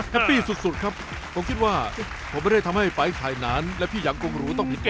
ปี้สุดครับผมคิดว่าผมไม่ได้ทำให้ไฟล์ถ่ายนานและพี่อย่างกรุงหรูต้องผิดเก